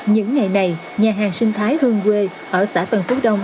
những ngày này nhà hàng sinh thái hương quê ở xã tân phú đông